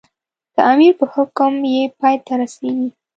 د امیر په حکم یې پای ته رسېږي.